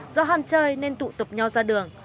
do hàm chơi nên tụ tục nhau ra đường